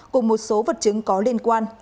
cùng một số vật chứng có liên quan